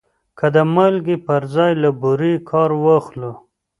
که د مالګې پر ځای له بورې کار واخلو؟